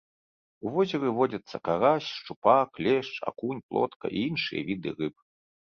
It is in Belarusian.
У возеры водзяцца карась, шчупак, лешч, акунь, плотка і іншыя віды рыб.